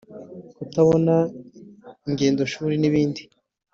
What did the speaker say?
kutabona ingendoshuri n’ibindi